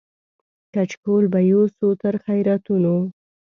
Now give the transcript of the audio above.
کچکول به یوسو تر خیراتونو